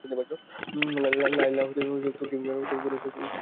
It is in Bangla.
লায়লা তুর্কি শিল্পীদের ইউনিয়ন ও তুরস্কের লেখক সিন্ডিকেটের সহ-প্রতিষ্ঠাতা ছিলেন।